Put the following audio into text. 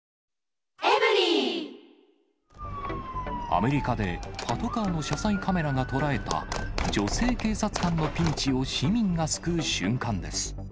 アメリカでパトカーの車載カメラが捉えた、女性警察官のピンチを市民が救う瞬間です。